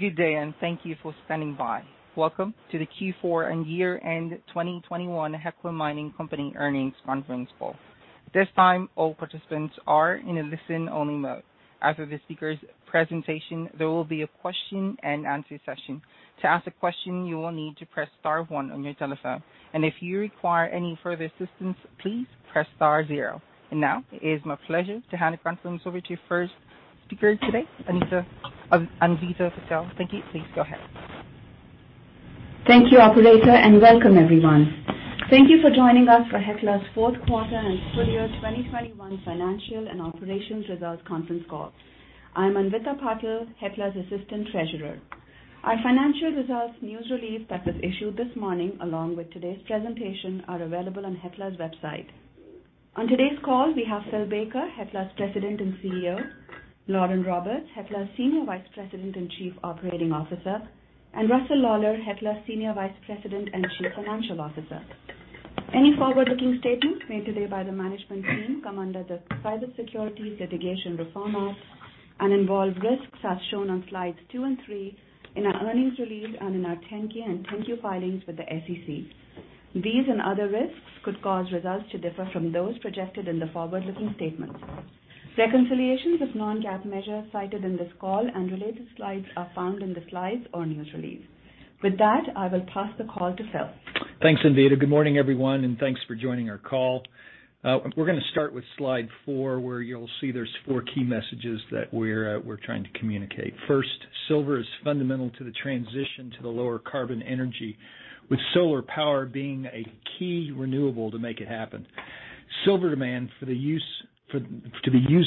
Good day, and thank you for standing by. Welcome to the Q4 and year-end 2021 Hecla Mining Company earnings conference call. At this time, all participants are in a listen-only mode. After the speakers' presentation, there will be a question-and-answer session. To ask a question, you will need to press star one on your telephone. If you require any further assistance, please press star zero. Now, it is my pleasure to hand the conference over to your first speaker today, Anvita Patel. Thank you. Please go ahead. Thank you, operator, and welcome, everyone. Thank you for joining us for Hecla's fourth quarter and full year 2021 financial and operations results conference call. I'm Anvita Patel, Hecla's Assistant Treasurer. Our financial results news release that was issued this morning, along with today's presentation, are available on Hecla's website. On today's call, we have Phil Baker, Hecla's President and CEO, Lauren Roberts, Hecla's Senior Vice President and Chief Operating Officer, and Russell Lawlar, Hecla's Senior Vice President and Chief Financial Officer. Any forward-looking statements made today by the management team come under the Private Securities Litigation Reform Act and involve risks as shown on slides 2 and 3 in our earnings release and in our 10-K and 10-Q filings with the SEC. These and other risks could cause results to differ from those projected in the forward-looking statements. Reconciliations of Non-GAAP measures cited in this call and related slides are found in the slides or news release. With that, I will pass the call to Phil. Thanks, Anvita. Good morning, everyone, and thanks for joining our call. We're gonna start with slide four, where you'll see there are four key messages that we're trying to communicate. First, silver is fundamental to the transition to the lower carbon energy, with solar power being a key renewable to make it happen. Silver demand to be used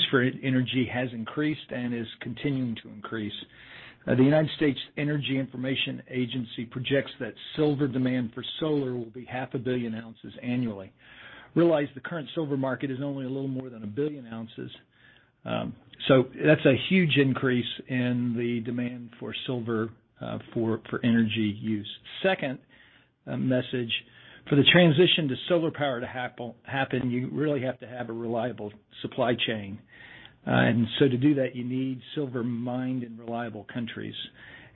for energy has increased and is continuing to increase. The U.S. Energy Information Administration projects that silver demand for solar will be 0.5 billion ounces annually. Realize the current silver market is only a little more than 1 billion ounces. That's a huge increase in the demand for silver for energy use. Second message. For the transition to solar power to happen, you really have to have a reliable supply chain. To do that, you need silver mined in reliable countries.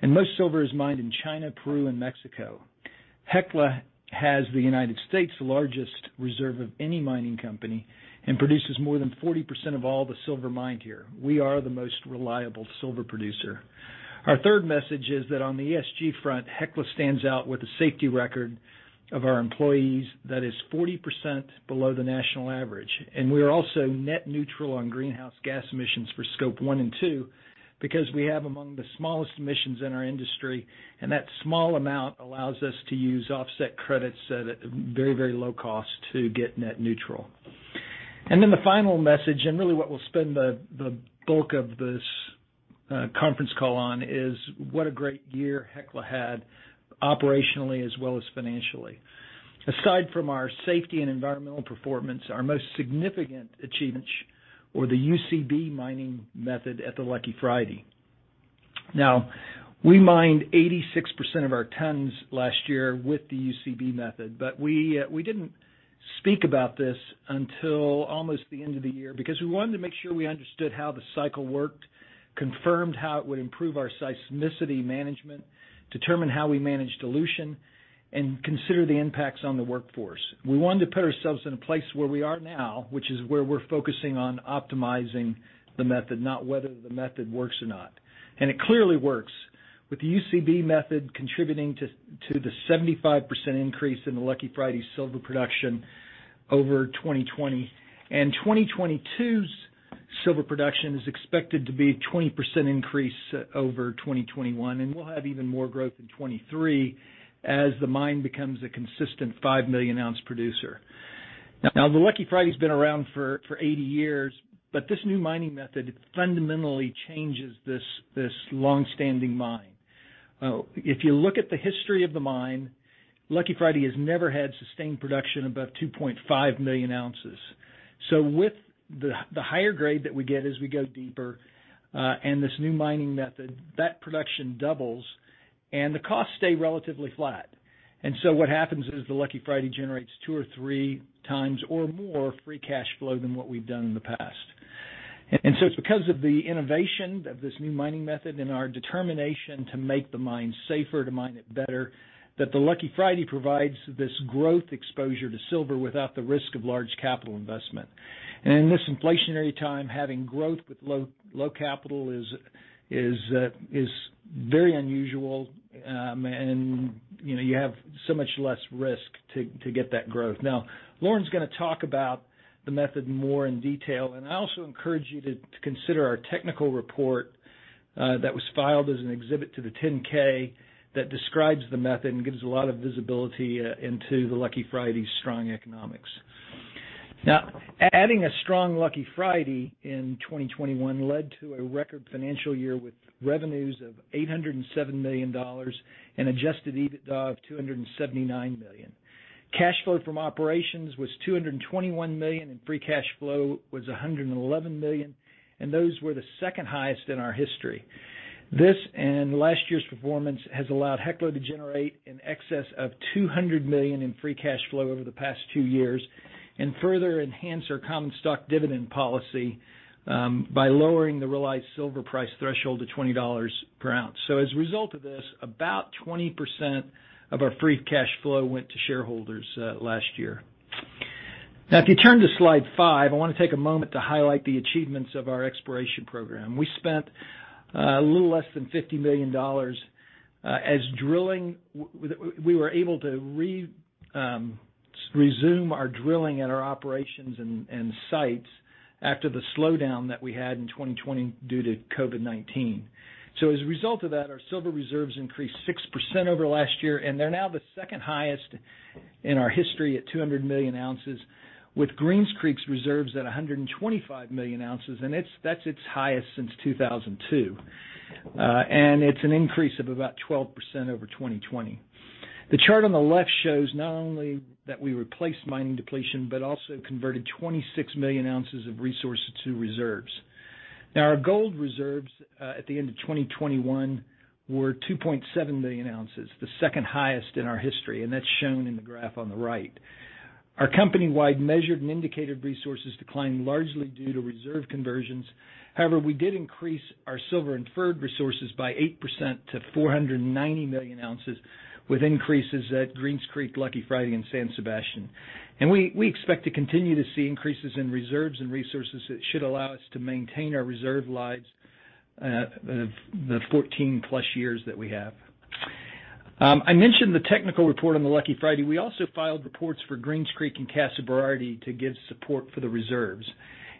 Most silver is mined in China, Peru, and Mexico. Hecla has the United States' largest reserve of any mining company and produces more than 40% of all the silver mined here. We are the most reliable silver producer. Our third message is that on the ESG front, Hecla stands out with a safety record of our employees that is 40% below the national average. We are also net neutral on greenhouse gas emissions for Scope 1 and two because we have among the smallest emissions in our industry, and that small amount allows us to use offset credits at a very, very low cost to get net neutral. Then the final message, and really what we'll spend the bulk of this conference call on, is what a great year Hecla had operationally as well as financially. Aside from our safety and environmental performance, our most significant achievement was the UCB mining method at the Lucky Friday. Now, we mined 86% of our tons last year with the UCB method, but we didn't speak about this until almost the end of the year because we wanted to make sure we understood how the cycle worked, confirmed how it would improve our seismicity management, determine how we manage dilution, and consider the impacts on the workforce. We wanted to put ourselves in a place where we are now, which is where we're focusing on optimizing the method, not whether the method works or not. It clearly works, with the UCB method contributing to the 75% increase in the Lucky Friday silver production over 2020. 2022's silver production is expected to be a 20% increase over 2021, and we'll have even more growth in 2023 as the mine becomes a consistent five million ounce producer. Now, the Lucky Friday's been around for 80 years, but this new mining method fundamentally changes this long-standing mine. If you look at the history of the mine, Lucky Friday has never had sustained production above 2.5 million ounces. With the higher grade that we get as we go deeper, and this new mining method, that production doubles and the costs stay relatively flat. What happens is the Lucky Friday generates two or three times or more free cash flow than what we've done in the past. It's because of the innovation of this new mining method and our determination to make the mine safer, to mine it better, that the Lucky Friday provides this growth exposure to silver without the risk of large capital investment. In this inflationary time, having growth with low capital is very unusual, and you know, you have so much less risk to get that growth. Now, Lauren's gonna talk about the method more in detail, and I also encourage you to consider our technical report that was filed as an exhibit to the 10-K that describes the method and gives a lot of visibility into the Lucky Friday's strong economics. Adding a strong Lucky Friday in 2021 led to a record financial year with revenues of $807 million and adjusted EBITDA of $279 million. Cash flow from operations was $221 million, and free cash flow was $111 million, and those were the second highest in our history. This and last year's performance has allowed Hecla to generate in excess of $200 million in free cash flow over the past two years and further enhance our common stock dividend policy by lowering the realized silver price threshold to $20 per ounce. As a result of this, about 20% of our free cash flow went to shareholders last year. If you turn to slide five, I wanna take a moment to highlight the achievements of our exploration program. We spent a little less than $50 million. We were able to resume our drilling at our operations and sites after the slowdown that we had in 2020 due to COVID-19. As a result of that, our silver reserves increased 6% over last year, and they're now the second highest in our history at 200 million ounces, with Greens Creek reserves at 125 million ounces, and that's its highest since 2002. It's an increase of about 12% over 2020. The chart on the left shows not only that we replaced mining depletion but also converted 26 million ounces of resources to reserves. Now, our gold reserves at the end of 2021 were 2.7 million ounces, the second highest in our history, and that's shown in the graph on the right. Our company-wide measured and indicated resources declined largely due to reserve conversions. However, we did increase our silver inferred resources by 8% to 490 million ounces, with increases at Greens Creek, Lucky Friday and San Sebastian. We expect to continue to see increases in reserves and resources that should allow us to maintain our reserve lives, the 14+ years that we have. I mentioned the technical report on the Lucky Friday. We also filed reports for Greens Creek and Casa Berardi to give support for the reserves.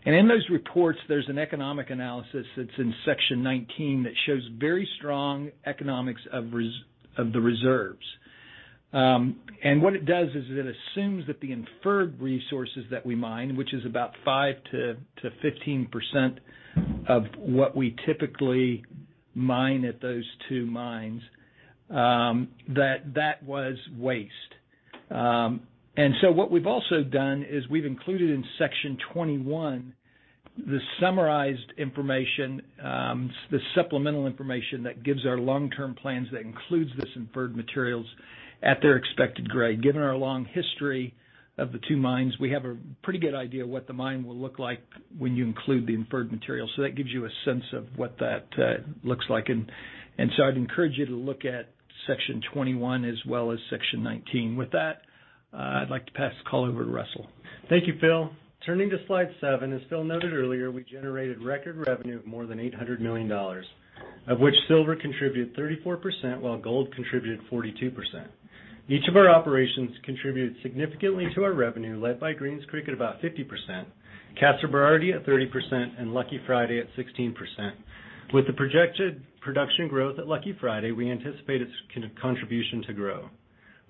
In those reports, there's an economic analysis that's in section 19 that shows very strong economics of the reserves. What it does is it assumes that the inferred resources that we mine, which is about 5%-15% of what we typically mine at those two mines, that was waste. We've also done is we've included in section 21 the summarized information, the supplemental information that gives our long-term plans that includes this inferred materials at their expected grade. Given our long history of the two mines, we have a pretty good idea of what the mine will look like when you include the inferred materials. That gives you a sense of what that looks like. I'd encourage you to look at section 21 as well as section 19. With that, I'd like to pass the call over to Russell. Thank you, Phil. Turning to slide seven, as Phil noted earlier, we generated record revenue of more than $800 million, of which silver contributed 34%, while gold contributed 42%. Each of our operations contributed significantly to our revenue led by Greens Creek at about 50%, Casa Berardi at 30%, and Lucky Friday at 16%. With the projected production growth at Lucky Friday, we anticipate its contribution to grow.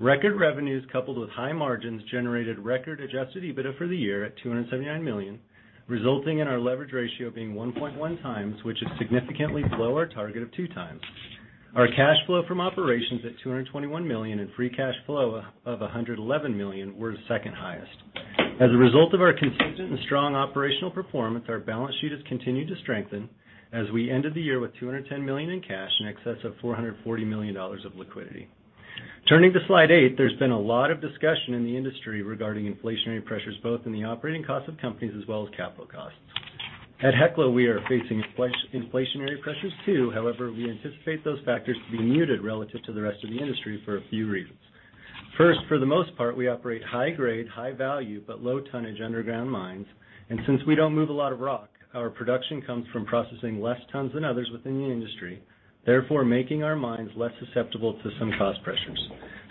Record revenues coupled with high margins generated record-adjusted EBITDA for the year at $279 million, resulting in our leverage ratio being 1.1 times, which is significantly below our target of two times. Our cash flow from operations at $221 million and free cash flow of a hundred and eleven million were the second highest. As a result of our consistent and strong operational performance, our balance sheet has continued to strengthen as we ended the year with $210 million in cash, in excess of $440 million of liquidity. Turning to slide 8, there's been a lot of discussion in the industry regarding inflationary pressures, both in the operating costs of companies as well as capital costs. At Hecla, we are facing inflationary pressures too. However, we anticipate those factors to be muted relative to the rest of the industry for a few reasons. First, for the most part, we operate high grade, high value, but low tonnage underground mines. Since we don't move a lot of rock, our production comes from processing less tons than others within the industry, therefore making our mines less susceptible to some cost pressures.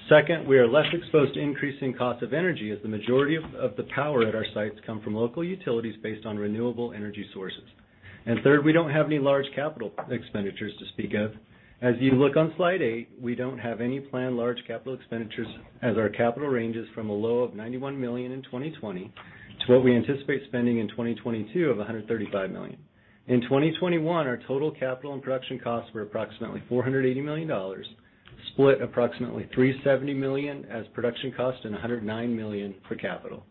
Second, we are less exposed to increasing costs of energy, as the majority of the power at our sites come from local utilities based on renewable energy sources. Third, we don't have any large capital expenditures to speak of. As you look on slide eight, we don't have any planned large capital expenditures as our capital ranges from a low of $91 million in 2020 to what we anticipate spending in 2022 of $135 million. In 2021, our total capital and production costs were approximately $480 million, split approximately $370 million as production cost and $109 million for capital.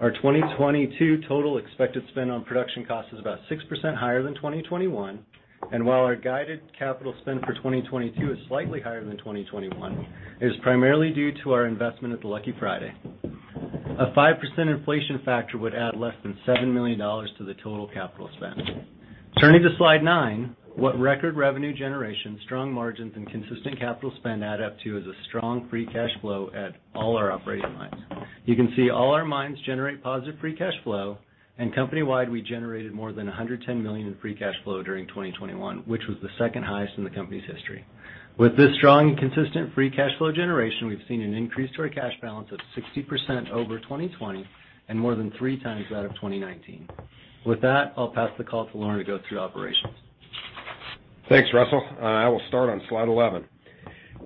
Our 2022 total expected spend on production cost is about 6% higher than 2021. While our guided capital spend for 2022 is slightly higher than 2021, it is primarily due to our investment at the Lucky Friday. A 5% inflation factor would add less than $7 million to the total capital spend. Turning to slide nine, what record revenue generation, strong margins, and consistent capital spend add up to is a strong free cash flow at all our operating mines. You can see all our mines generate positive free cash flow, and company-wide, we generated more than $110 million in free cash flow during 2021, which was the second highest in the company's history. With this strong and consistent free cash flow generation, we've seen an increase to our cash balance of 60% over 2020 and more than three times that of 2019. With that, I'll pass the call to Lauren to go through operations. Thanks, Russell. I will start on slide 11.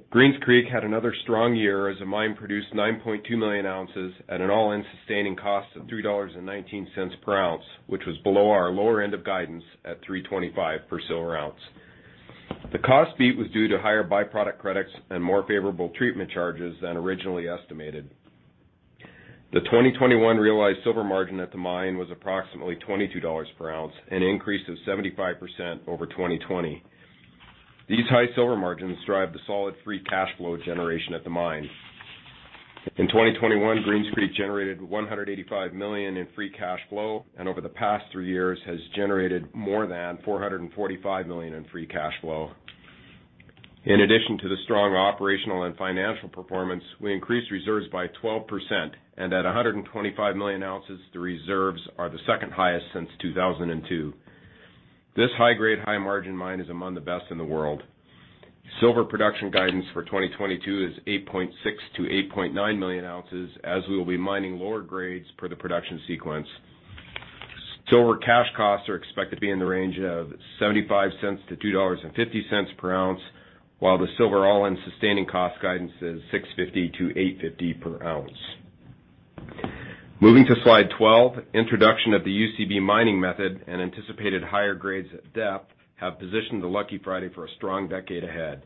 Greens Creek had another strong year as the mine produced 9.2 million ounces at an all-in sustaining cost of $3.19 per ounce, which was below our lower end of guidance at $3.25 per silver ounce. The cost beat was due to higher byproduct credits and more favorable treatment charges than originally estimated. The 2021 realized silver margin at the mine was approximately $22 per ounce, an increase of 75% over 2020. These high silver margins drive the solid free cash flow generation at the mine. In 2021, Greens Creek generated $185 million in free cash flow, and over the past three years has generated more than $445 million in free cash flow. In addition to the strong operational and financial performance, we increased reserves by 12% and at 125 million ounces, the reserves are the second highest since 2002. This high grade, high margin mine is among the best in the world. Silver production guidance for 2022 is 8.6-8.9 million ounces, as we will be mining lower grades per the production sequence. Silver cash costs are expected to be in the range of $0.75-$2.50 per ounce, while the silver all-in sustaining cost guidance is $6.50-$8.50 per ounce. Moving to slide 12, introduction of the UCB mining method and anticipated higher grades at depth have positioned the Lucky Friday for a strong decade ahead.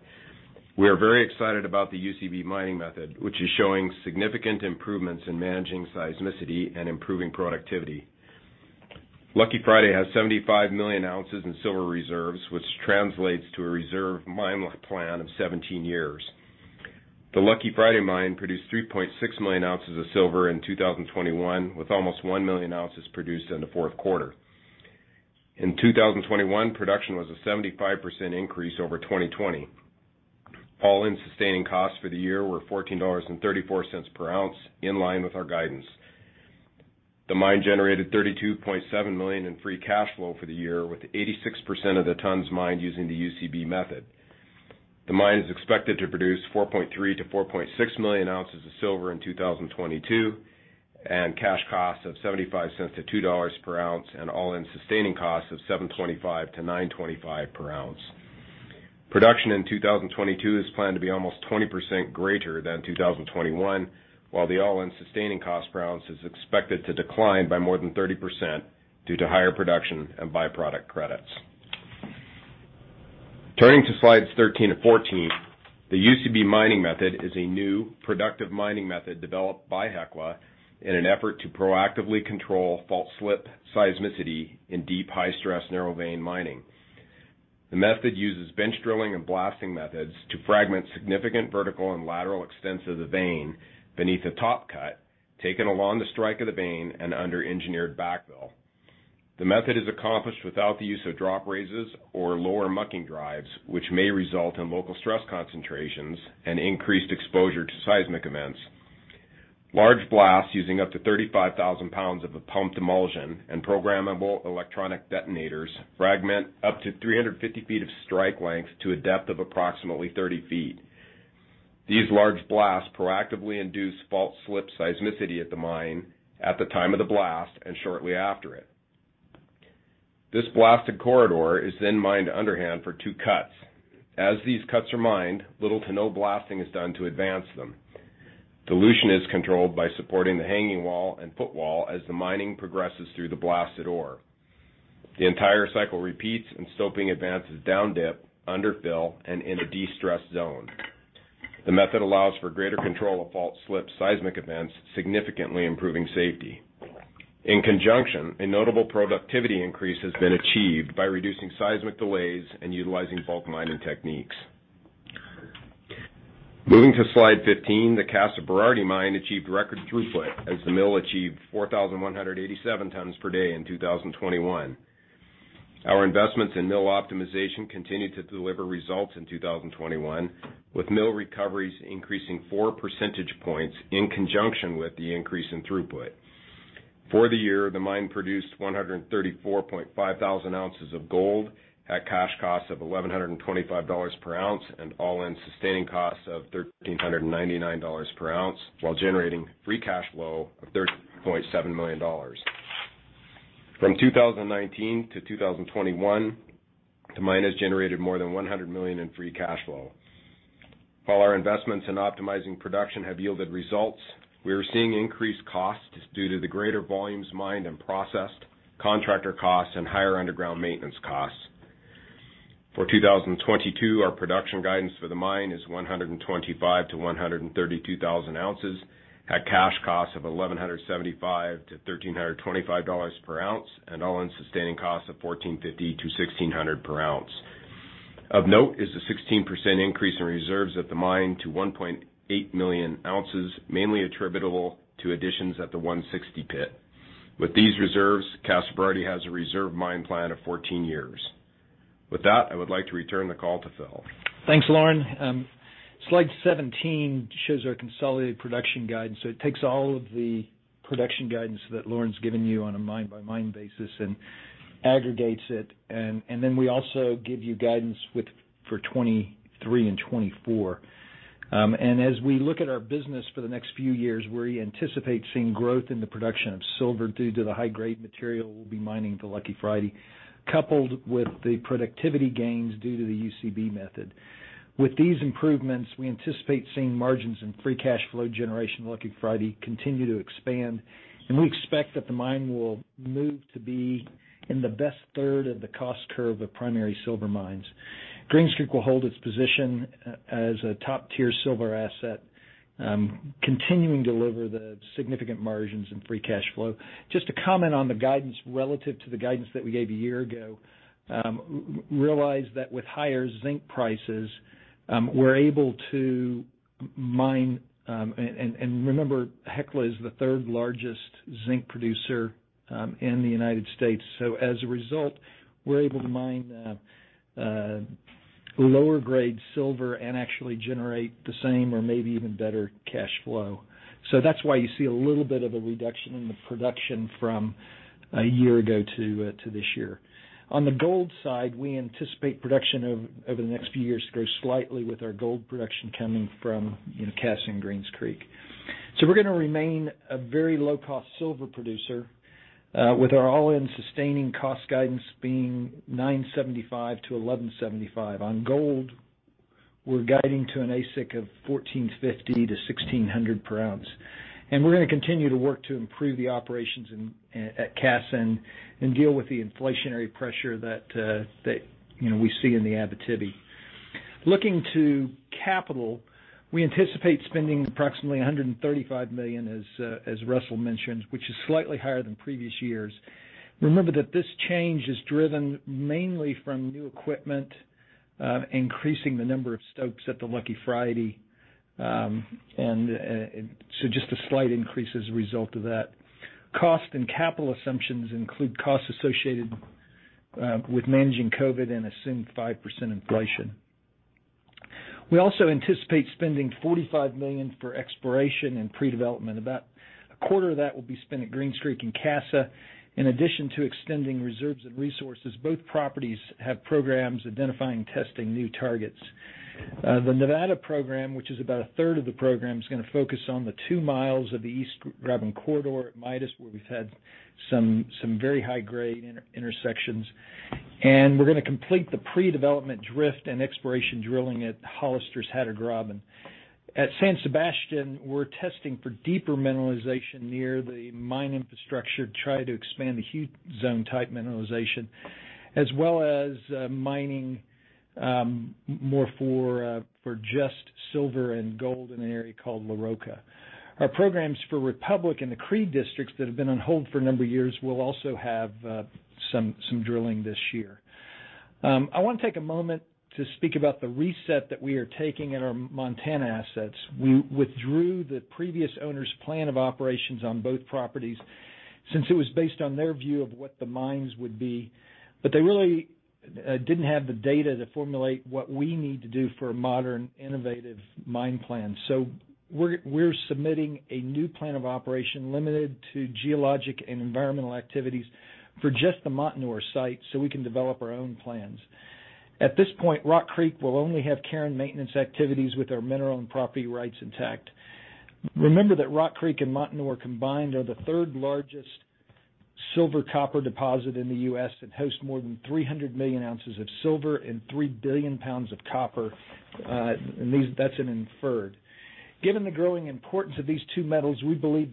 We are very excited about the UCB mining method, which is showing significant improvements in managing seismicity and improving productivity. Lucky Friday has 75 million ounces in silver reserves, which translates to a reserve mine life plan of 17 years. The Lucky Friday mine produced 3.6 million ounces of silver in 2021, with almost 1 million ounces produced in the fourth quarter. In 2021, production was a 75% increase over 2020. All-in sustaining costs for the year were $14.34 per ounce, in line with our guidance. The mine generated $32.7 million in free cash flow for the year, with 86% of the tons mined using the UCB method. The mine is expected to produce 4.3-4.6 million ounces of silver in 2022, and cash costs of $0.75-$2 per ounce, and all-in sustaining costs of $7.25-$9.25 per ounce. Production in 2022 is planned to be almost 20% greater than 2021, while the all-in sustaining cost per ounce is expected to decline by more than 30% due to higher production and byproduct credits. Turning to slides 13 and 14, the UCB mining method is a new, productive mining method developed by Hecla in an effort to proactively control fault-slip seismicity in deep, high-stress, narrow vein mining. The method uses bench drilling and blasting methods to fragment significant vertical and lateral extents of the vein beneath a top cut taken along the strike of the vein and under engineered backfill. The method is accomplished without the use of drop raises or lower mucking drives, which may result in local stress concentrations and increased exposure to seismic events. Large blasts using up to 35,000 pounds of a pumped emulsion and programmable electronic detonators fragment up to 350 feet of strike length to a depth of approximately 30 feet. These large blasts proactively induce fault-slip seismicity at the mine at the time of the blast and shortly after it. This blasted corridor is then mined underhand for two cuts. As these cuts are mined, little to no blasting is done to advance them. Dilution is controlled by supporting the hanging wall and footwall as the mining progresses through the blasted ore. The entire cycle repeats and stoping advances down dip, underfill, and in a de-stressed zone. The method allows for greater control of fault-slip seismicity, significantly improving safety. In conjunction, a notable productivity increase has been achieved by reducing seismic delays and utilizing bulk mining techniques. Moving to slide 15, the Casa Berardi mine achieved record throughput as the mill achieved 4,187 tons per day in 2021. Our investments in mill optimization continued to deliver results in 2021, with mill recoveries increasing 4 percentage points in conjunction with the increase in throughput. For the year, the mine produced 134,500 ounces of gold at cash costs of $1,125 per ounce, and all-in sustaining costs of $1,399 per ounce, while generating free cash flow of $13.7 million. From 2019 to 2021, the mine has generated more than $100 million in free cash flow. While our investments in optimizing production have yielded results, we are seeing increased costs due to the greater volumes mined and processed, contractor costs, and higher underground maintenance costs. For 2022, our production guidance for the mine is 125,000-132,000 ounces at cash costs of $1,175-$1,325 per ounce, and all-in sustaining costs of $1,450-$1,600 per ounce. Of note is the 16% increase in reserves at the mine to 1.8 million ounces, mainly attributable to additions at the 160 pit. With these reserves, Casa Berardi has a reserve mine plan of 14 years. With that, I would like to return the call to Phil. Thanks, Lauren. Slide 17 shows our consolidated production guidance. It takes all of the production guidance that Lauren's given you on a mine-by-mine basis and aggregates it. Then we also give you guidance with for 2023 and 2024. As we look at our business for the next few years, we anticipate seeing growth in the production of silver due to the high-grade material we'll be mining at the Lucky Friday, coupled with the productivity gains due to the UCB method. With these improvements, we anticipate seeing margins and free cash flow generation at Lucky Friday continue to expand, and we expect that the mine will move to be in the best third of the cost curve of primary silver mines. Greens Creek will hold its position as a top-tier silver asset, continuing to deliver the significant margins and free cash flow. Just to comment on the guidance relative to the guidance that we gave a year ago, realize that with higher zinc prices, we're able to mine. Remember, Hecla is the third-largest zinc producer in the United States. As a result, we're able to mine a lower grade silver and actually generate the same or maybe even better cash flow. That's why you see a little bit of a reduction in the production from a year ago to this year. On the gold side, we anticipate production over the next few years to grow slightly with our gold production coming from, you know, Casa and Greens Creek. We're gonna remain a very low-cost silver producer with our all-in sustaining cost guidance being $9.75-$11.75. On gold, we're guiding to an AISC of $1,450-$1,600 per ounce. We're gonna continue to work to improve the operations at Casa and deal with the inflationary pressure that we see in the Abitibi. Looking to capital, we anticipate spending approximately $135 million as Russell mentioned, which is slightly higher than previous years. Remember that this change is driven mainly from new equipment, increasing the number of stopes at the Lucky Friday, and just a slight increase as a result of that. Cost and capital assumptions include costs associated with managing COVID and assumed 5% inflation. We also anticipate spending $45 million for exploration and predevelopment. About a quarter of that will be spent at Greens Creek and Casa. In addition to extending reserves and resources, both properties have programs identifying and testing new targets. The Nevada program, which is about a third of the program, is gonna focus on the two miles of the East Graben Corridor at Midas, where we've had some very high-grade intersections. We're gonna complete the predevelopment drift and exploration drilling at Hollister's Hatter Graben. At San Sebastian, we're testing for deeper mineralization near the mine infrastructure to try to expand the Hugh Zone type mineralization, as well as mining more for just silver and gold in an area called La Roca. Our programs for Republic and the Creede districts that have been on hold for a number of years will also have some drilling this year. I wanna take a moment to speak about the reset that we are taking at our Montana assets. We withdrew the previous owner's plan of operations on both properties since it was based on their view of what the mines would be. They really didn't have the data to formulate what we need to do for a modern, innovative mine plan. We're submitting a new plan of operation limited to geologic and environmental activities for just the Montanore site, so we can develop our own plans. At this point, Rock Creek will only have care and maintenance activities with our mineral and property rights intact. Remember that Rock Creek and Montanore combined are the third-largest silver copper deposit in the U.S. and host more than 300 million ounces of silver and 3 billion pounds of copper, and these. That's an inferred. Given the growing importance of these two metals, we believe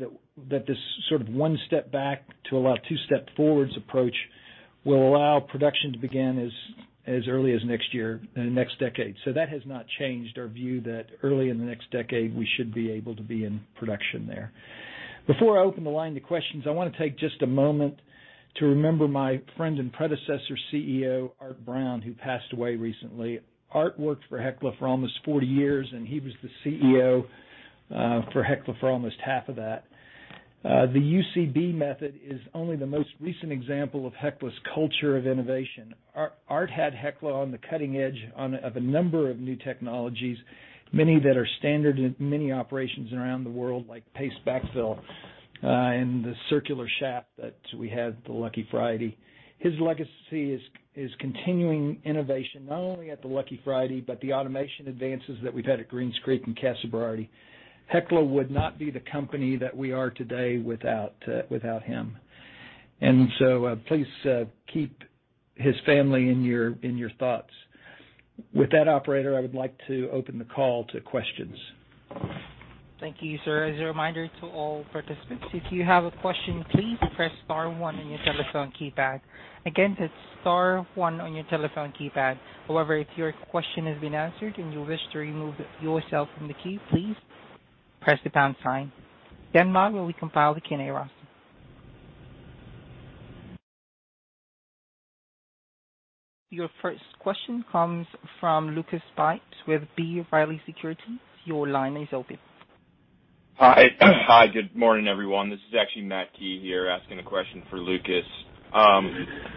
that this sort of one step back to allow two step forwards approach will allow production to begin early as next year, next decade. That has not changed our view that early in the next decade, we should be able to be in production there. Before I open the line to questions, I wanna take just a moment to remember my friend and predecessor, CEO Arthur Brown, who passed away recently. Art worked for Hecla for almost 40 years, and he was the CEO for Hecla for almost half of that. The UCB method is only the most recent example of Hecla's culture of innovation. Art had Hecla on the cutting edge of a number of new technologies, many that are standard in many operations around the world, like paste backfill, and the circular shaft that we have at the Lucky Friday. His legacy is continuing innovation, not only at the Lucky Friday, but the automation advances that we've had at Greens Creek and Casa Berardi. Hecla would not be the company that we are today without him. Please keep his family in your thoughts. With that, operator, I would like to open the call to questions. Thank you, sir. As a reminder to all participants, if you have a question, please press star one on your telephone keypad. Again, that's star one on your telephone keypad. However, if your question has been answered and you wish to remove yourself from the queue, please press the pound sign. Now we will compile the Q&A roster. Your first question comes from Lucas Pipes with B. Riley Securities. Your line is open. Hi. Hi, good morning, everyone. This is actually Matt Key here asking a question for Lucas.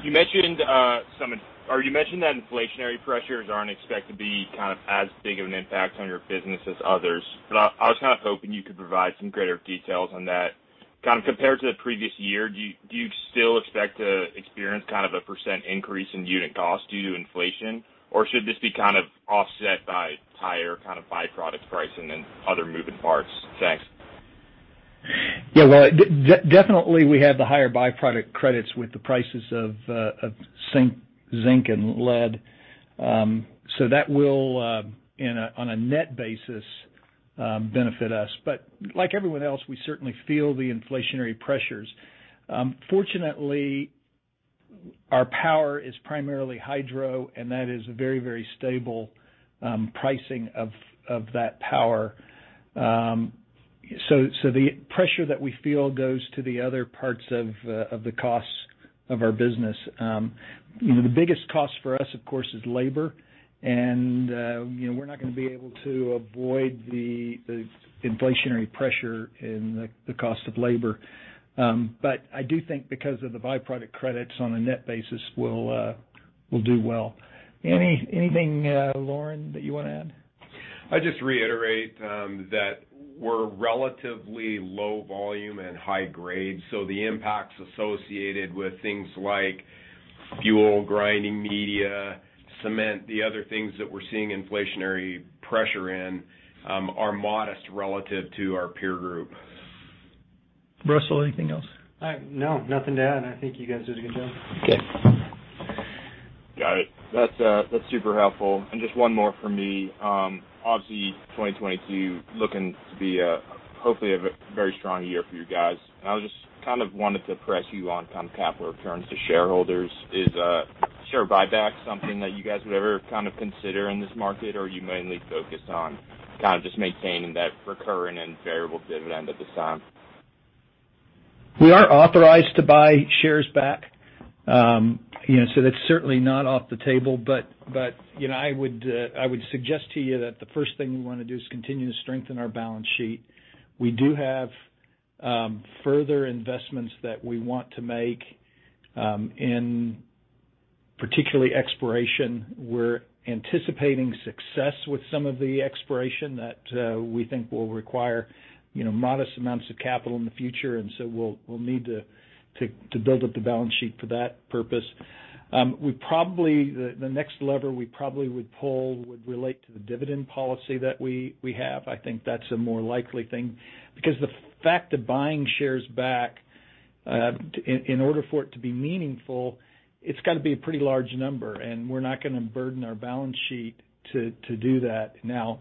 You mentioned that inflationary pressures aren't expected to be kind of as big of an impact on your business as others. I was kind of hoping you could provide some greater details on that. Kind of compared to the previous year, do you still expect to experience kind of a % increase in unit cost due to inflation? Or should this be kind of offset by higher kind of byproduct pricing and other moving parts? Thanks. Yeah. Well, definitely we have the higher byproduct credits with the prices of zinc and lead. So that will, on a net basis, benefit us. Like everyone else, we certainly feel the inflationary pressures. Fortunately, our power is primarily hydro, and that is very, very stable pricing of that power. The pressure that we feel goes to the other parts of the costs of our business. You know, the biggest cost for us, of course, is labor. You know, we're not gonna be able to avoid the inflationary pressure in the cost of labor. I do think because of the byproduct credits on a net basis we'll do well. Anything, Lauren, that you wanna add? I just reiterate that we're relatively low volume and high grade, so the impacts associated with things like fuel, grinding media, cement, the other things that we're seeing inflationary pressure in are modest relative to our peer group. Russell, anything else? No, nothing to add. I think you guys did a good job. Okay. Got it. That's super helpful. Just one more from me. Obviously 2022 looking to be, hopefully, a very strong year for you guys. I was just kind of wanted to press you on kind of capital returns to shareholders. Is share buyback something that you guys would ever kind of consider in this market, or are you mainly focused on kind of just maintaining that recurring and variable dividend at this time? We are authorized to buy shares back. That's certainly not off the table. I would suggest to you that the first thing we want to do is continue to strengthen our balance sheet. We do have further investments that we want to make in particular, exploration. We're anticipating success with some of the exploration that we think will require modest amounts of capital in the future. We'll need to build up the balance sheet for that purpose. The next lever we would pull would relate to the dividend policy that we have. I think that's a more likely thing. Because the fact that buying shares back, in order for it to be meaningful, it's gotta be a pretty large number, and we're not gonna burden our balance sheet to do that now.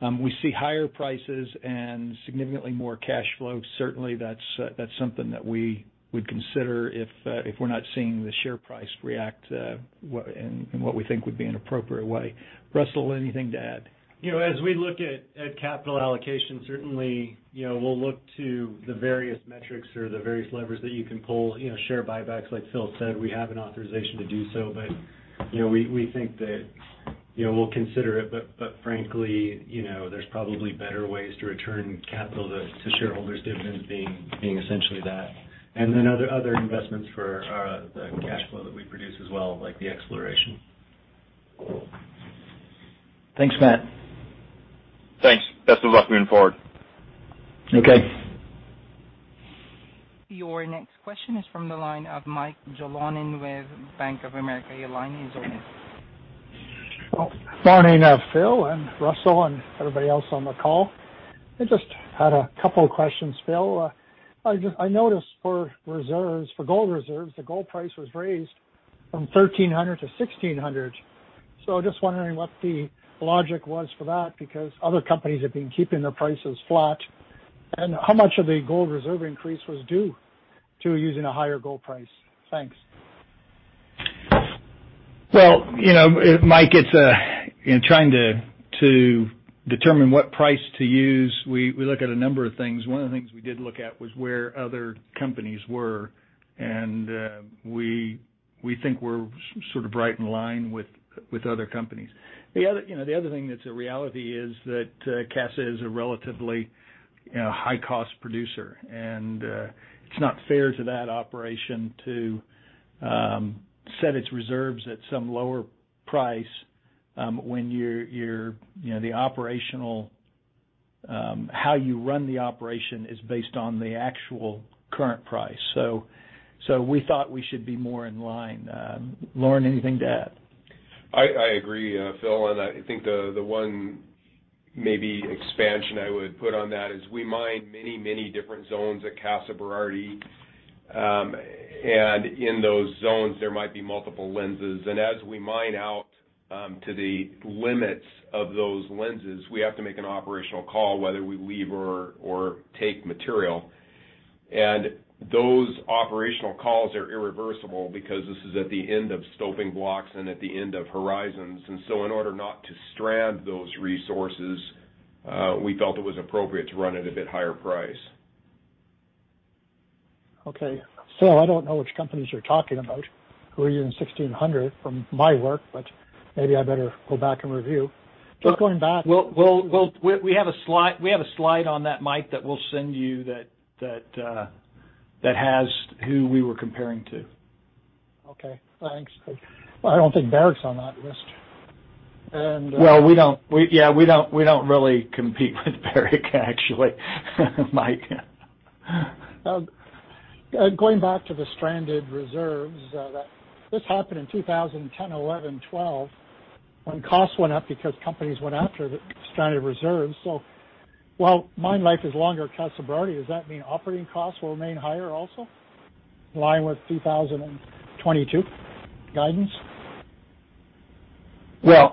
We see higher prices and significantly more cash flow. Certainly, that's something that we would consider if we're not seeing the share price react to what we think would be an appropriate way. Russell, anything to add? You know, as we look at capital allocation, certainly, you know, we'll look to the various metrics or the various levers that you can pull. You know, share buybacks, like Phil said, we have an authorization to do so. But, you know, we think that, you know, we'll consider it. But frankly, you know, there's probably better ways to return capital to shareholders, dividends being essentially that. Other investments for the cash flow that we produce as well, like the exploration. Thanks, Matt. Thanks. Best of luck moving forward. Okay. Your next question is from the line of Michael Jalonen with Bank of America. Your line is open. Morning, Phil and Russell and everybody else on the call. I just had a couple questions, Phil. I noticed for reserves, for gold reserves, the gold price was raised from $1,300-$1,600. Just wondering what the logic was for that, because other companies have been keeping their prices flat. How much of the gold reserve increase was due to using a higher gold price? Thanks. Well, you know, Mike, it's in trying to determine what price to use, we look at a number of things. One of the things we did look at was where other companies were. We think we're sort of right in line with other companies. The other thing that's a reality is that Casa is a relatively high-cost producer. It's not fair to that operation to set its reserves at some lower price when the operational how you run the operation is based on the actual current price. We thought we should be more in line. Lauren, anything to add? I agree, Phil, and I think the one maybe expansion I would put on that is we mine many different zones at Casa Berardi. In those zones, there might be multiple lenses. As we mine out to the limits of those lenses, we have to make an operational call whether we leave or take material. Those operational calls are irreversible because this is at the end of stoping blocks and at the end of horizons. In order not to strand those resources, we felt it was appropriate to run at a bit higher price. Okay. Phil, I don't know which companies you're talking about who are using 1,600 from my work, but maybe I better go back and review. Well, we have a slide on that, Mike, that we'll send you that has who we were comparing to. Okay. Thanks. Well, I don't think Barrick's on that list. Well, we don't really compete with Barrick actually, Mike. Going back to the stranded reserves, that this happened in 2010, 11, 12 when costs went up because companies went after the stranded reserves. While mine life is longer at Casa Berardi, does that mean operating costs will remain higher also in line with 2022 guidance? Well,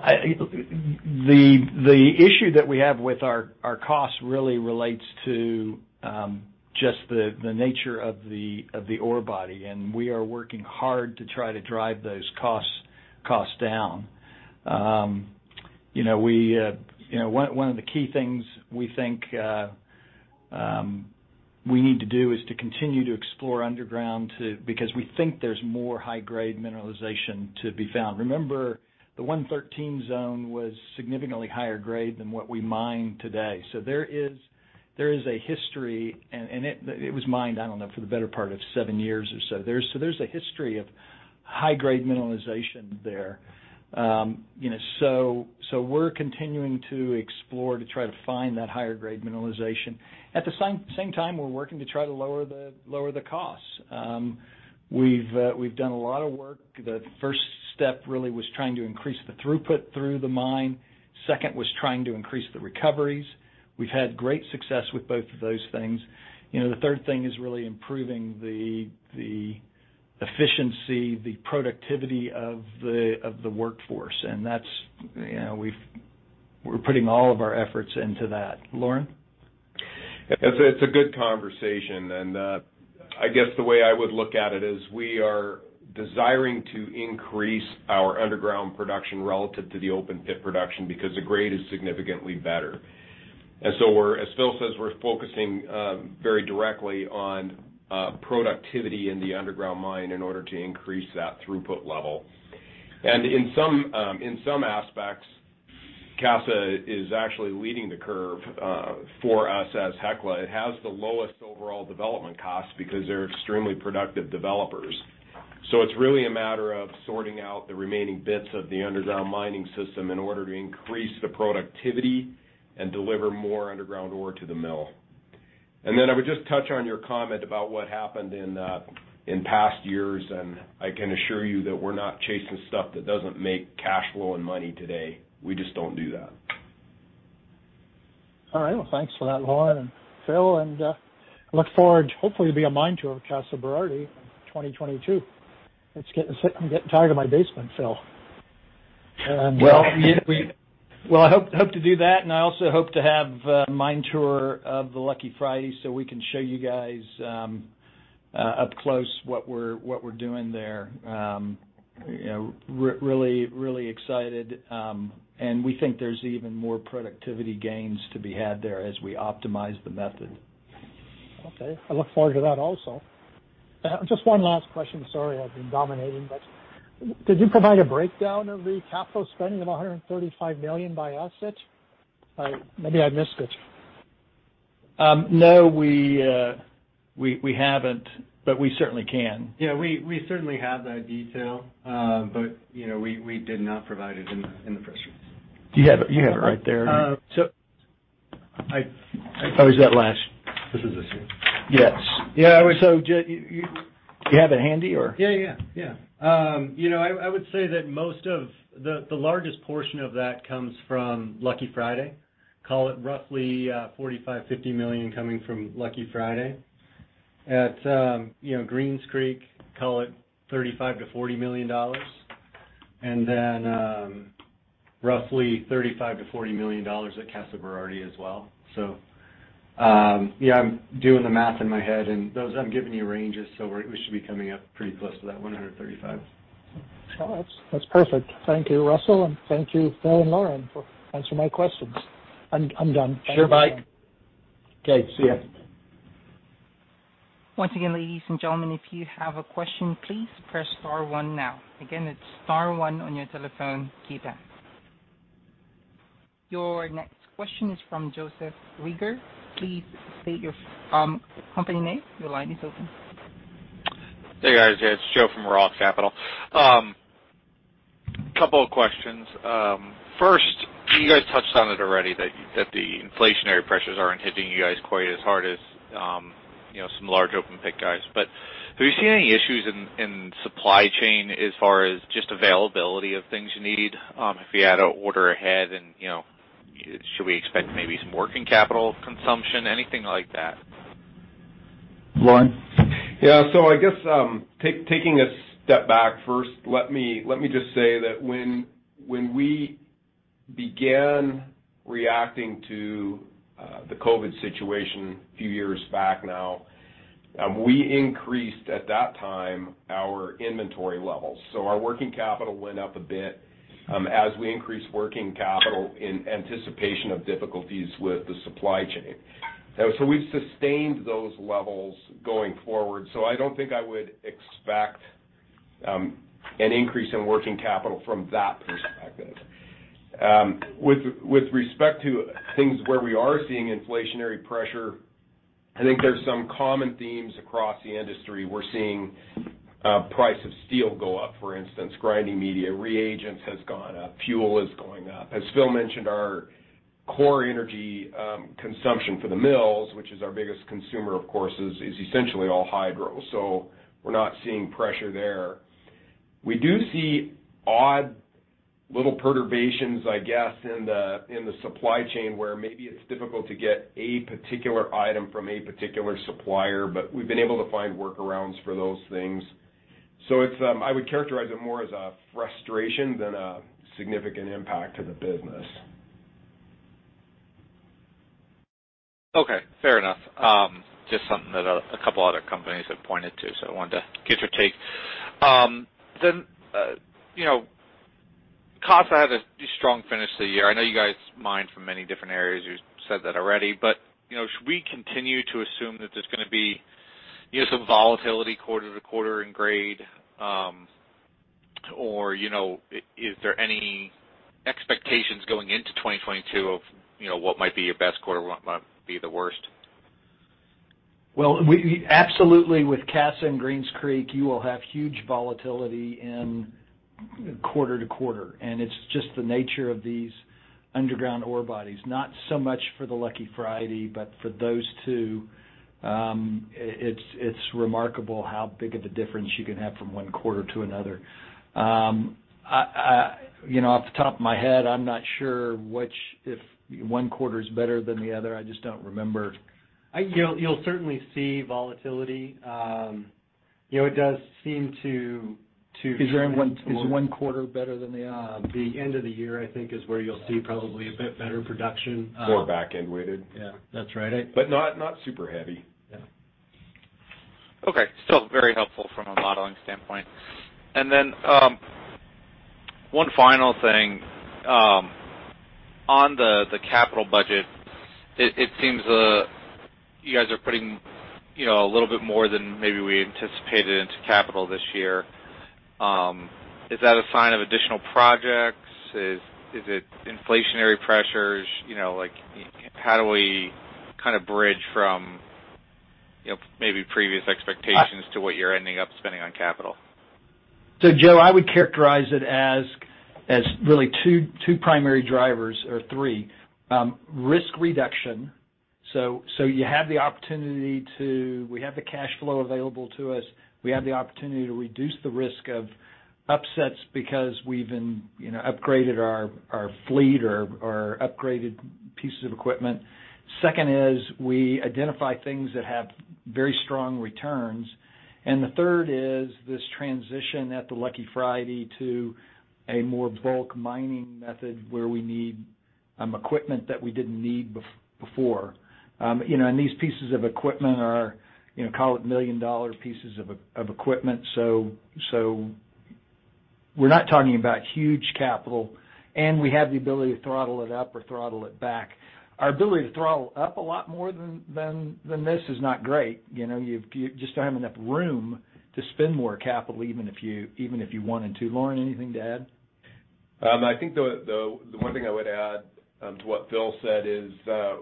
the issue that we have with our costs really relates to just the nature of the ore body, and we are working hard to try to drive those costs down. You know, one of the key things we think we need to do is to continue to explore underground because we think there's more high-grade mineralization to be found. Remember, the 113 zone was significantly higher grade than what we mine today. There is a history, and it was mined, I don't know, for the better part of seven years or so. There's a history of high-grade mineralization there. You know, so we're continuing to explore to try to find that higher grade mineralization. At the same time, we're working to try to lower the costs. We've done a lot of work. The first step really was trying to increase the throughput through the mine. Second, was trying to increase the recoveries. We've had great success with both of those things. You know, the third thing is really improving the efficiency, the productivity of the workforce. That's, you know, we're putting all of our efforts into that. Lauren? It's a good conversation. I guess the way I would look at it is we are desiring to increase our underground production relative to the open pit production because the grade is significantly better. We're, as Phil says, focusing very directly on productivity in the underground mine in order to increase that throughput level. In some aspects, Casa is actually leading the curve for us as Hecla. It has the lowest overall development costs because they're extremely productive developers. It's really a matter of sorting out the remaining bits of the underground mining system in order to increase the productivity and deliver more underground ore to the mill. I would just touch on your comment about what happened in past years, and I can assure you that we're not chasing stuff that doesn't make cash flow and money today. We just don't do that. All right. Well, thanks for that, Lauren and Phil, and look forward hopefully to a mine tour of Casa Berardi in 2022. I'm getting tired of my basement, Phil. Well, I hope to do that, and I also hope to have a mine tour of the Lucky Friday so we can show you guys up close what we're doing there. You know, really excited, and we think there's even more productivity gains to be had there as we optimize the method. Okay. I look forward to that also. Just one last question. Sorry, I've been dominating, but could you provide a breakdown of the capital spending of $135 million by asset? Or maybe I missed it. No, we haven't, but we certainly can. Yeah, we certainly have that detail, but you know, we did not provide it in the press release. You have it, you have it right there. Uh, so I, I think- Oh, is that last? This is this here. You have it handy or? Yeah, you know, I would say that most of the largest portion of that comes from Lucky Friday. Call it roughly $45-$50 million coming from Lucky Friday. You know, at Greens Creek, call it $35-$40 million. Then, roughly $35-$40 million at Casa Berardi as well. Yeah, I'm doing the math in my head, and those I'm giving you ranges, so we should be coming up pretty close to that $135 million. No, that's perfect. Thank you, Russell. Thank you, Phil and Lauren, for answering my questions. I'm done. Thank you. Sure, Mike. Okay, see ya. Once again, ladies and gentlemen, if you have a question, please press star one now. Again, it's star one on your telephone keypad. Your next question is from Joseph Reagor. Please state your company name. Your line is open. Hey, guys. It's Joe from Roth Capital. Couple of questions. First, you guys touched on it already that the inflationary pressures aren't hitting you guys quite as hard as, you know, some large open pit guys. But have you seen any issues in supply chain as far as just availability of things you need, if you had to order ahead and, you know, should we expect maybe some working capital consumption, anything like that? Lauren? Yeah. I guess, taking a step back first, let me just say that when we began reacting to the COVID situation a few years back now, we increased at that time our inventory levels. Our working capital went up a bit, as we increased working capital in anticipation of difficulties with the supply chain. We've sustained those levels going forward. I don't think I would expect an increase in working capital from that perspective. With respect to things where we are seeing inflationary pressure, I think there's some common themes across the industry. We're seeing price of steel go up, for instance. Grinding media, reagents has gone up. Fuel is going up. As Phil mentioned, our core energy consumption for the mills, which is our biggest consumer, of course, is essentially all hydro. We're not seeing pressure there. We do see odd little perturbations, I guess, in the supply chain, where maybe it's difficult to get a particular item from a particular supplier, but we've been able to find workarounds for those things. It's, I would characterize it more as a frustration than a significant impact to the business. Okay, fair enough. Just something that a couple other companies have pointed to, so I wanted to get your take. You know, Casa had a strong finish to the year. I know you guys mined from many different areas. You said that already. You know, should we continue to assume that there's gonna be, you know, some volatility quarter to quarter in grade, or, you know, is there any expectations going into 2022 of, you know, what might be your best quarter, what might be the worst? Well, we absolutely, with Casa and Greens Creek, you will have huge volatility in quarter to quarter, and it's just the nature of these underground ore bodies. Not so much for the Lucky Friday, but for those two, it's remarkable how big of a difference you can have from one quarter to another. You know, off the top of my head, I'm not sure which, if one quarter is better than the other. I just don't remember. You'll certainly see volatility. You know, it does seem to trend towards. Is one quarter better than the other? The end of the year, I think, is where you'll see probably a bit better production. More back-end weighted. Yeah. That's right. Not super heavy. Yeah. Okay. Still very helpful from a modeling standpoint. One final thing. On the capital budget, it seems you guys are putting, you know, a little bit more than maybe we anticipated into capital this year. Is that a sign of additional projects? Is it inflationary pressures? You know, like, how do we kinda bridge from, you know, maybe previous expectations to what you're ending up spending on capital? Joe, I would characterize it as really two primary drivers or three. Risk reduction. We have the cash flow available to us. We have the opportunity to reduce the risk of upsets because we've been, you know, upgraded our fleet or upgraded pieces of equipment. Second, we identify things that have very strong returns. The third is this transition at the Lucky Friday to a more bulk mining method where we need equipment that we didn't need before. You know, these pieces of equipment are, you know, call it $1 million pieces of equipment. We're not talking about huge capital, and we have the ability to throttle it up or throttle it back. Our ability to throttle up a lot more than this is not great. You know? You just don't have enough room to spend more capital, even if you wanted to. Lauren, anything to add? I think the one thing I would add to what Phil said is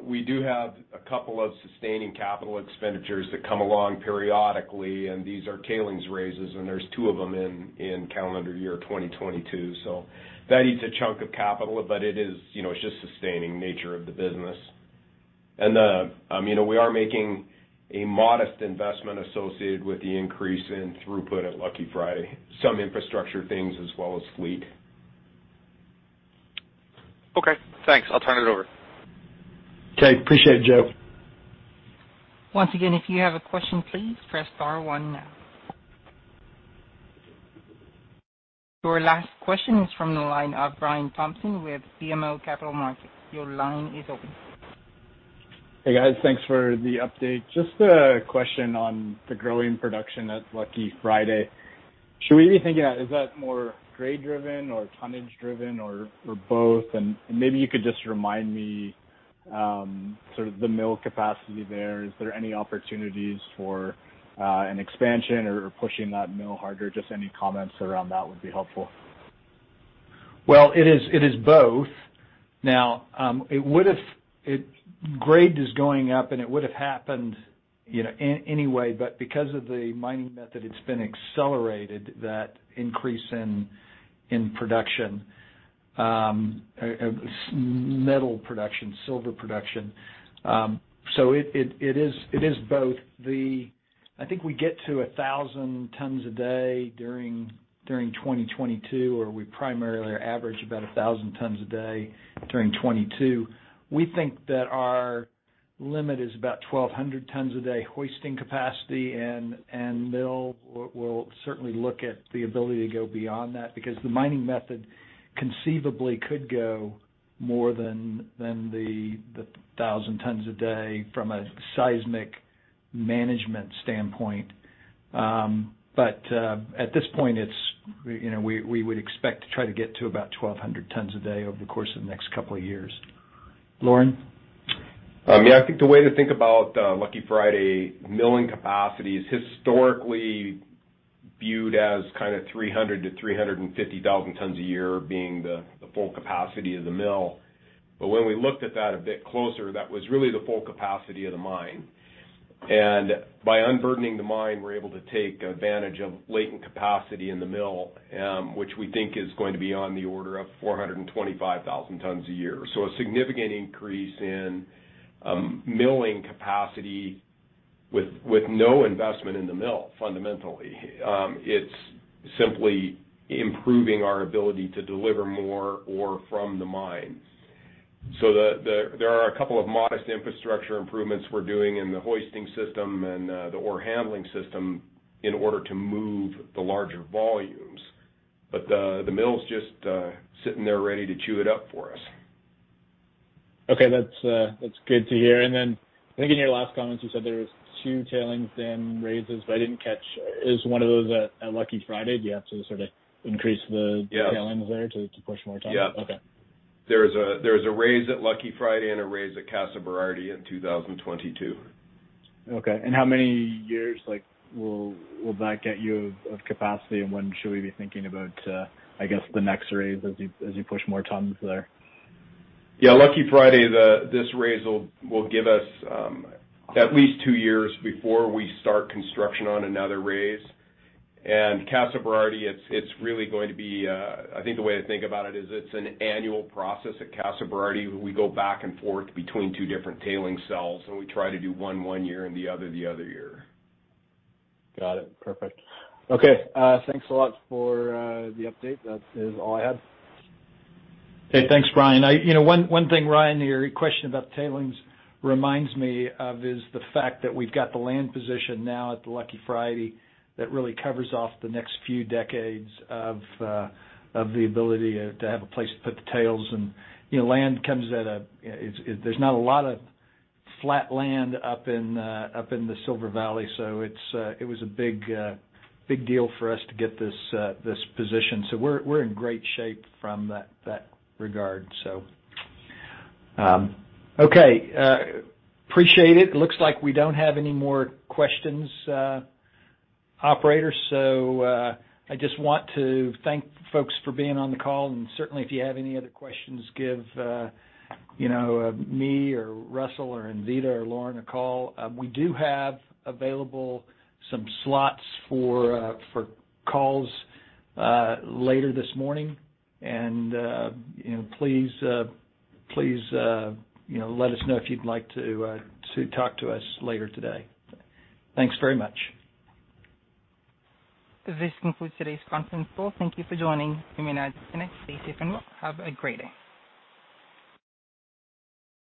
we do have a couple of sustaining capital expenditures that come along periodically, and these are tailings raises, and there's two of them in calendar year 2022. That eats a chunk of capital, but it is, you know, it's just sustaining nature of the business. We are making a modest investment associated with the increase in throughput at Lucky Friday, some infrastructure things as well as fleet. Okay, thanks. I'll turn it over. Okay. Appreciate it, Joe. Once again, if you have a question, please press star one now. Your last question is from the line of Ryan Thompson with BMO Capital Markets. Your line is open. Hey, guys. Thanks for the update. Just a question on the growing production at Lucky Friday. Should we be thinking that more grade driven or tonnage driven or both? Maybe you could just remind me sort of the mill capacity there. Is there any opportunities for an expansion or pushing that mill harder? Just any comments around that would be helpful. Well, it is both. Now, grade is going up, and it would've happened, you know, anyway. Because of the mining method, it's been accelerated, that increase in production, metal production, silver production. It is both. I think we get to 1,000 tons a day during 2022, or we primarily average about 1,000 tons a day during 2022. We think that our limit is about 1,200 tons a day hoisting capacity, and mill will certainly look at the ability to go beyond that because the mining method conceivably could go more than the 1,000 tons a day from a seismic management standpoint. At this point, it's, you know, we would expect to try to get to about 1,200 tons a day over the course of the next couple of years. Lauren? I think the way to think about Lucky Friday milling capacity is historically viewed as kind of 300-350,000 tons a year being the full capacity of the mill. When we looked at that a bit closer, that was really the full capacity of the mine. By unburdening the mine, we're able to take advantage of latent capacity in the mill, which we think is going to be on the order of 425,000 tons a year. A significant increase in milling capacity with no investment in the mill, fundamentally. It's simply improving our ability to deliver more ore from the mines. There are a couple of modest infrastructure improvements we're doing in the hoisting system and the ore handling system in order to move the larger volumes. The mill's just sitting there ready to chew it up for us. Okay, that's good to hear. I think in your last comments, you said there was two tailings dam raises, but I didn't catch. Is one of those at Lucky Friday? Do you have to sort of increase the- Yes tailings there to push more tons? Yeah. Okay. There's a raise at Lucky Friday and a raise at Casa Berardi in 2022. Okay. How many years, like, will that get you of capacity, and when should we be thinking about, I guess, the next raise as you push more tons there? Yeah, Lucky Friday, this raise will give us at least two years before we start construction on another raise. Casa Berardi, it's really going to be. I think the way to think about it is it's an annual process at Casa Berardi. We go back and forth between two different tailings cells, and we try to do one year and the other year. Got it. Perfect. Okay. Thanks a lot for the update. That is all I had. Okay. Thanks, Ryan. You know, one thing, Ryan, your question about the tailings reminds me of is the fact that we've got the land position now at the Lucky Friday that really covers off the next few decades of the ability to have a place to put the tails. You know, land comes at a. There is not a lot of flat land up in the Silver Valley, so it was a big deal for us to get this position. We're in great shape from that regard. Okay. Appreciate it. Looks like we don't have any more questions, operator. I just want to thank folks for being on the call. Certainly, if you have any other questions, give, you know, me or Russell or Anvita or Lauren a call. We do have available some slots for calls later this morning. You know, please, you know, let us know if you'd like to talk to us later today. Thanks very much. This concludes today's conference call. Thank you for joining. You may now disconnect safely, and have a great day.